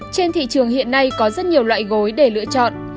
trên thị trường hiện nay có rất nhiều loại gối để lựa chọn